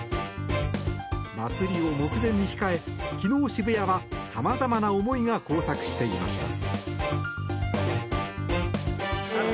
祭りを目前に控え昨日、渋谷は様々な思いが交錯していました。